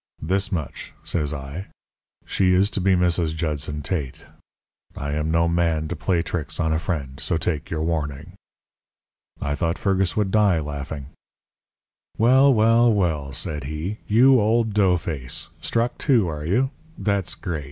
"'This much,' says I. 'She is to be Mrs. Judson Tate. I am no man to play tricks on a friend. So take your warning.' "I thought Fergus would die laughing. "'Well, well, well,' said he, 'you old doughface! Struck too, are you? That's great!